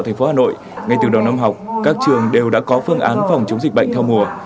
thành phố hà nội ngay từ đầu năm học các trường đều đã có phương án phòng chống dịch bệnh theo mùa